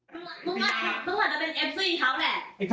ทุกคนมันเป็นแอฟซี่เขาแหละ